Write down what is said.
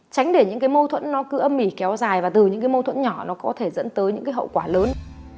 tránh để những mâu thuẫn nó cứ âm mỉ kéo dài và từ những mâu thuẫn nhỏ nó có thể dẫn tới những hậu quả lớn